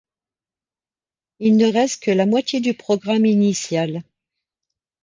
Il ne reste que la moitié du programme initial.